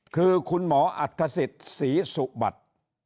คือคุณหมออัฐศิษย์ศรีสุบัติ